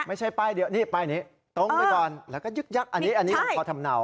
ไม่ใช่ป้ายเดียวนี่ป้ายนี้ตรงไปก่อนแล้วก็ยึกยักษ์อันนี้พอทำเนา